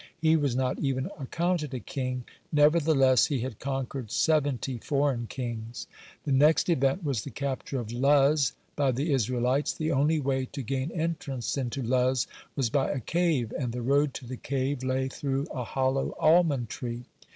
He was not even accounted a king, nevertheless he had conquered seventy foreign kings. (27) The next event was the capture of Luz by the Israelites. The only way to gain entrance into Luz was by a cave, and the road to the cave lay through a hollow almond tree.